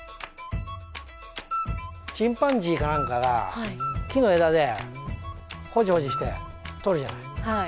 チンパンジーかなんかが木の枝でほじほじしてとるじゃない。